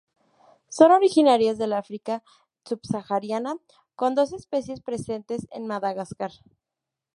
Son originarias del África sub-sahariana, con dos especies presentes en Madagascar.